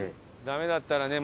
ダメだったらね